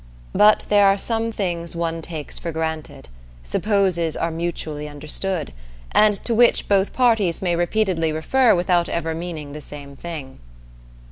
But there are some things one takes for granted, supposes are mutually understood, and to which both parties may repeatedly refer without ever meaning the same thing.